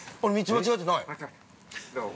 ◆間違えてないです。